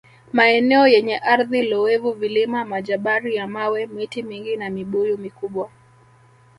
Maeneo yenye ardhi loevu Vilima Majabari ya mawe miti mingi na Mibuyu mikubwa